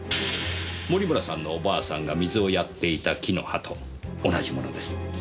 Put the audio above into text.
森村さんのおばあさんが水をやっていた木の葉と同じものです。